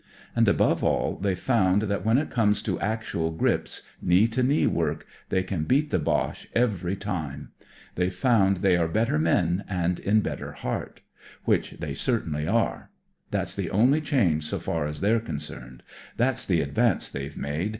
And, above all, they've found that when it comes to actual grips, knee to knee work, they can beat the Boche every time. They've foimd they are better men and in better heart ;^ 42 THE MORAL OF THE BOCHE : i which they certainly are. That's the only change so far as they're concerned. That's the advance they've made.